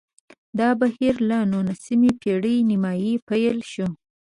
دا بهیر له نولسمې پېړۍ نیمايي پیل شو